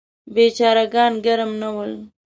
بیچاره ګان ګرم نه ول.